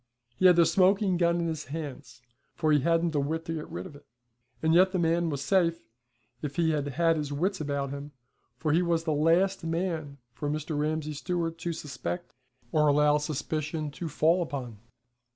He had the smoking gun in his hands, for he hadn't the wit to get rid of it. And yet the man was safe, if he had had his wits about him, for he was the last man for Mr. Ramsay Stewart to suspect or allow suspicion to fall upon.